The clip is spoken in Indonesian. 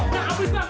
nah abis nak